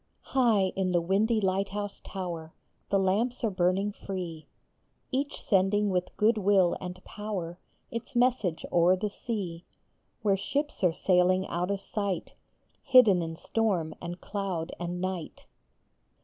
IGH in the windy lighthouse tower The lamps are burning free, Each sending with good will and power Its message o er the sea, Where ships are sailing out of sight, Hidden in storm and cloud and night.